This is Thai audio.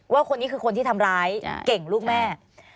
ว่าคนนี้คือคนที่ทำร้ายเก่งลูกแม่